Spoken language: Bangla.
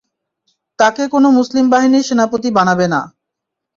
তাঁকে কোন মুসলিম বাহিনীর সেনাপতি বানাবে না।